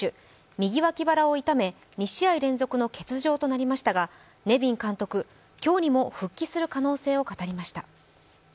右脇腹を痛め２試合連続の欠場となりましたがネビン監督、今日にも復帰する可能性を語りました。